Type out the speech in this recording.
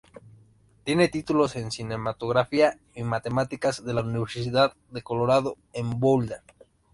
Tiene títulos en cinematografía y matemáticas de la Universidad de Colorado en Boulder.